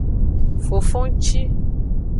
Fofongci.